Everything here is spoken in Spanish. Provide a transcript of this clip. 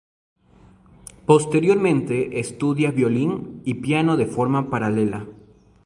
Posteriormente estudia violín y piano de forma paralela.